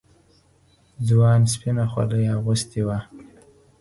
ځوان سپينه خولۍ اغوستې وه.